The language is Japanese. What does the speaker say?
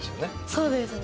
そうですね。